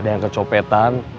ada yang kecopetan